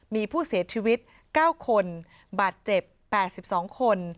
มีผู้เสียชีวิต๙คนบาดเจ็บ๘๒คน